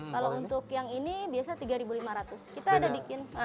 kalau untuk yang ini biasa tiga ribu lima ratus kita ada bikin